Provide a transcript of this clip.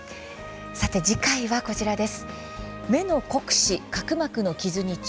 さて次回は、こちらです。